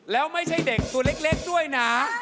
แล้วไม่ใช่เด็กตัวเล็กด้วยนะ